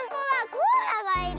コアラがいる。